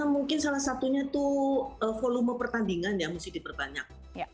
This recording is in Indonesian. mungkin salah satunya itu volume pertandingan yang mesti diperbanyak